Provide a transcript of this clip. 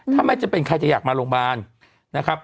ถ้าไม่เป็นใครจะอยากมาโรงพยาบาล